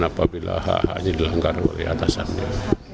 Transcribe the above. apabila hak haknya dilanggar oleh atasannya